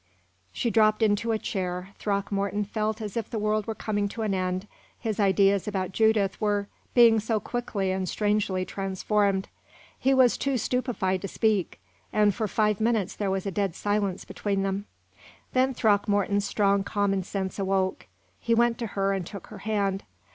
She dropped into a chair. Throckmorton felt as if the world were coming to an end, his ideas about Judith were being so quickly and strangely transformed. He was too stupefied to speak, and for five minutes there was a dead silence between them. Then Throckmorton's strong common sense awoke. He went to her and took her hand.